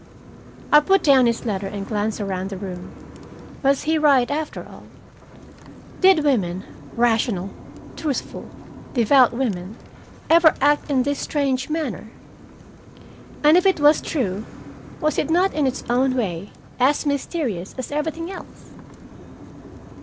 I put down his letter and glanced around the room. Was he right, after all? Did women, rational, truthful, devout women, ever act in this strange manner? And if it was true, was it not in its own way as mysterious as everything else?